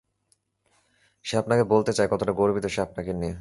সে আপনাকে বলতে চায়, কতোটা গর্বিত সে আপনাকে নিয়ে।